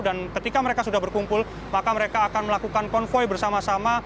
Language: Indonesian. dan ketika mereka sudah berkumpul maka mereka akan melakukan konvoy bersama sama